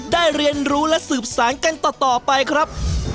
เรียนรู้และสืบสารกันต่อไปครับ